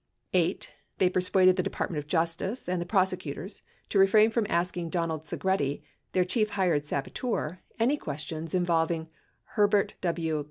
8. They persuaded the Department of Justice and the prosecutors to refrain from asking Donald Sejrretti, their chief hired saboteur, any questions involving Herbert W.